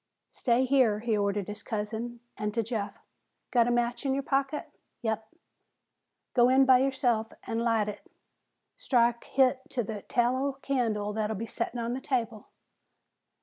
"Stay here," he ordered his cousin. And to Jeff, "Got a match in your pocket?" "Yep." "Go in by yourself an' light hit. Strike hit to the tallow candle that'll be settin' on the table."